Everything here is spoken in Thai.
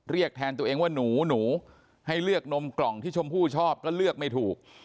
แทนตัวเองว่าหนูให้เลือกนมกล่องที่ชมพู่ชอบก็เลือกไม่ถูก